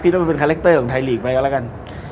คิดว่ามันเป็นคาแรคเตอร์ของไทยหลีกไปก็แล้วกัน